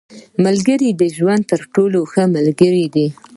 • ملګری د ژوند تر ټولو ښه ملګری دی.